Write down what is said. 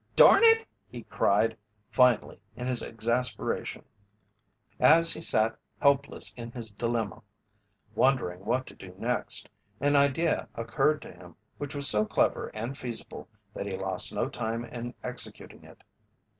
"Darn it!" he cried, finally, in his exasperation. As he sat helpless in his dilemma, wondering what to do next, an idea occurred to him which was so clever and feasible that he lost no time in executing it.